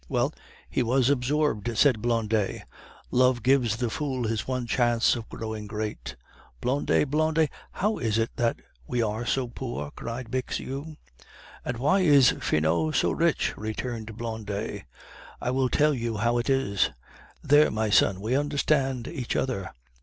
"Well, he was absorbed," said Blondet. "Love gives the fool his one chance of growing great." "Blondet, Blondet, how is it that we are so poor?" cried Bixiou. "And why is Finot so rich?" returned Blondet. "I will tell you how it is; there, my son, we understand each other.